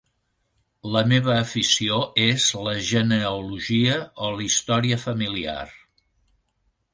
La meva afició és la genealogia o la història familiar.